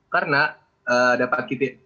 karena dapat kita lihat